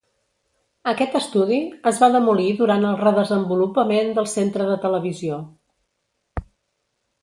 Aquest estudi es va demolir durant el redesenvolupament del Centre de Televisió.